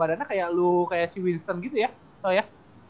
badannya kecil kecil badannya kayak lu kayak si winston gitu ya soalnya